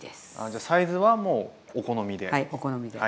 じゃあサイズはもうお好みで。